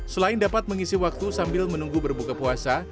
selain dapat mengisi waktu sambil menunggu berbuka puasa